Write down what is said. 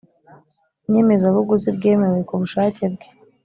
inyemezabuguzi bwemewe ku bushake bwe